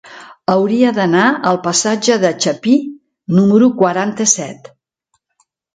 Hauria d'anar al passatge de Chapí número quaranta-set.